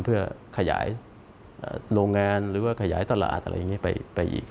เพื่อขยายโรงงานหรือว่าขยายตลาดไปอีก